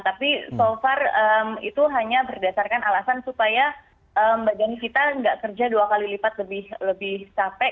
tapi so far itu hanya berdasarkan alasan supaya badan kita nggak kerja dua kali lipat lebih capek